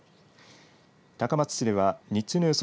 高松市では日中の予想